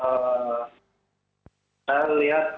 kemungkinan akan patah di hadir